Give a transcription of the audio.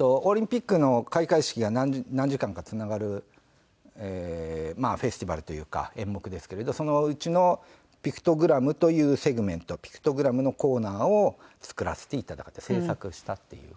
オリンピックの開会式が何時間かつながるフェスティバルというか演目ですけれどそのうちのピクトグラムというセグメントピクトグラムのコーナーを作らせていただいた制作したっていう形。